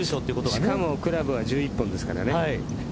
しかもクラブは１１本ですからね。